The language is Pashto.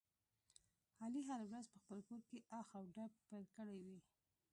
علي هره ورځ په خپل کورکې اخ او ډب پیل کړی وي.